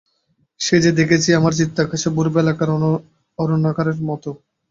সে যে দেখেছি আমার চিত্তাকাশে ভোরবেলাকার অরুণরাগরেখার মতো।